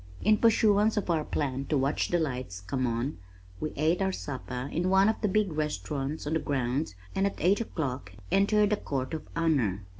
In pursuance of our plan to watch the lights come on, we ate our supper in one of the big restaurants on the grounds and at eight o'clock entered the Court of Honor.